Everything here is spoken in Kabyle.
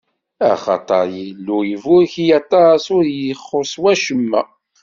Axaṭer Illu iburek-iyi aṭas, ur yi-ixuṣṣ wacemma.